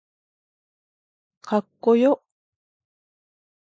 かっこよ